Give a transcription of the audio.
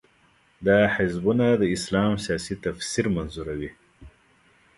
دا حزبونه د اسلام سیاسي تفسیر منظوروي.